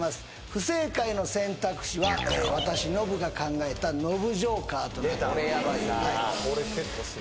不正解の選択肢は私ノブが考えたノブジョーカーとなっております